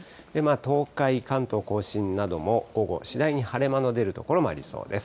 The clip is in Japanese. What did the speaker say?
東海、関東甲信なども、午後、次第に晴れ間の出る所もありそうです。